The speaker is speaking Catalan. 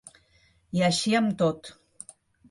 I així amb tot.